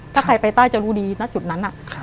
ถ้าใครไปใต้จะรู้ดีณจุดนั้น